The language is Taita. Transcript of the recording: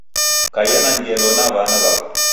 Kaiya na ngelo na wana wako